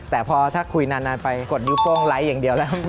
แต่พอถ้าคุยนานไปกดนิ้วโป้งไลค์อย่างเดียวแล้ว